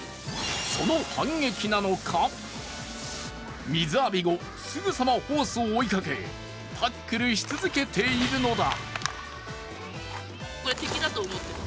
その反撃なのか、水浴び後、すぐさまホースを追いかけタックルし続けているのだ。